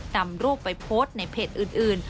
นำรูปไปโพสต์ในเพจอื่น